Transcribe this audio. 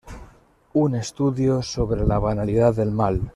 Un estudio sobre la banalidad del mal".